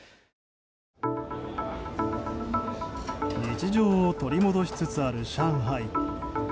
日常を取り戻しつつある上海。